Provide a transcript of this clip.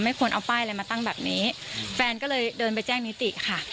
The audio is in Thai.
ควรเอาป้ายอะไรมาตั้งแบบนี้แฟนก็เลยเดินไปแจ้งนิติค่ะ